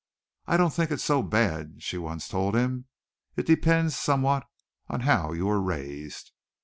"I don't think it's so bad," she once told him. "It depends somewhat on how you were raised."